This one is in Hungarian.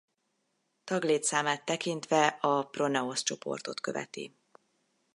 Taglétszámát tekintve az Pronaosz csoportot követi.